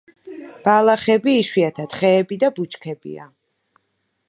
ბალახები, იშვიათად ხეები და ბუჩქებია.